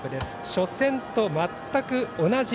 初戦と全く同じ。